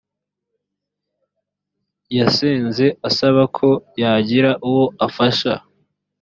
yasenze asaba ko yagira uwo afasha